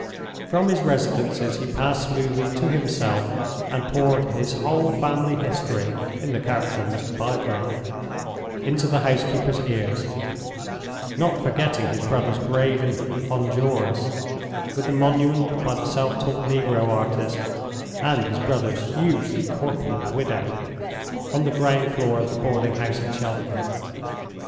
From his residences he passed smoothly to himself, and poured his whole family history (in the character of Mr. Bygrave) into the housekeeper's ears—not forgetting his brother's grave in Honduras, with the monument by the self taught negro artist, and his brother's hugely corpulent widow, on the ground floor of the boarding house at Cheltenham.